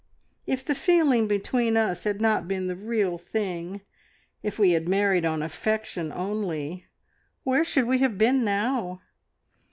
If the feeling between us had not been the real thing, if we had married on affection only, where should we have been now?